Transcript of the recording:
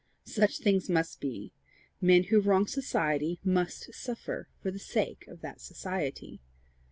"Such things must be: men who wrong society must suffer for the sake of that society."